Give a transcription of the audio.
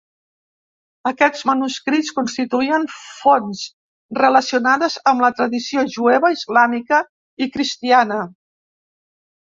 Aquests manuscrits constituïen fonts relacionades amb la tradició jueva, islàmica i cristiana.